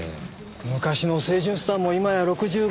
昔の清純スターも今や６５。